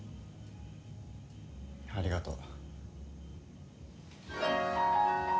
ありがとう。